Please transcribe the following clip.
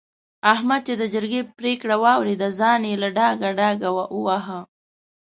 احمد چې د جرګې پرېکړه واورېده؛ ځان يې له ډاګه ډاګه وواهه.